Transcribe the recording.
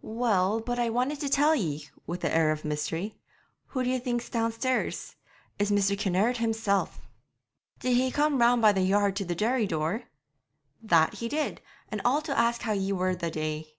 'Well, but I want to tell ye' with an air of mystery. 'Who d'ye think's downstairs? It's Mr. Kinnaird himself.' 'Did he come round by the yard to the dairy door?' 'That he did; and all to ask how ye were the day.'